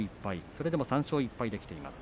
それでも３勝１敗できています。